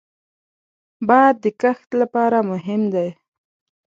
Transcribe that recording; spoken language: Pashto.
باد د کښت لپاره مهم دی